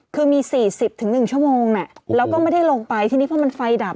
คือมี๔๐๑ชั่วโมงแล้วก็ไม่ได้ลงไปทีนี้พอมันไฟดับ